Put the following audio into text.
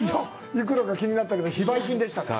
幾らか、気になったけど、非売品でしたね。